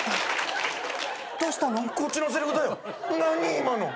今の。